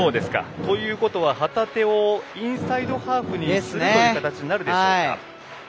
旗手をインサイドハーフにするという形になるでしょうか。